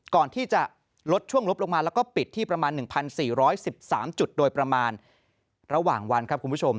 ก่อนที่จะลดช่วงลบลงมาแล้วก็ปิดที่ประมาณ๑๔๑๓จุดโดยประมาณระหว่างวันครับคุณผู้ชม